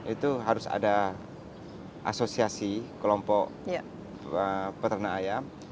itu harus ada asosiasi kelompok peternak ayam